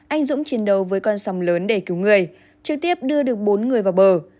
anh dũng chiến đấu với con sóng lớn để cứu người trực tiếp đưa được bốn người vào bờ